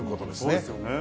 そうですよね。